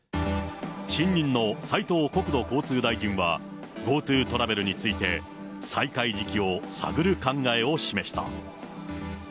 新任の斉藤国土交通大臣は、ＧｏＴｏトラベルについて再開時期を探る考えを示した。